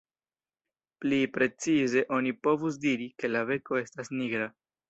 Pli precize oni povus diri, ke la beko estas nigra.